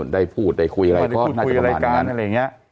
ได้พูดได้คุยอะไรก็น่าจะประมาณนั้น